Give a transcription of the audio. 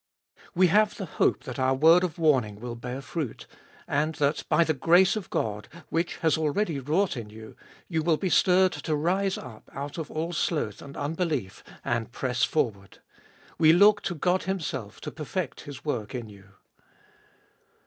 We have the hope that our word of warning will bear fruit, and that by the grace of God, which has already wrought in you, you will be stirred to rise up out of all sloth and unbelief and press forward. We look to God Himself to perfect His work in you.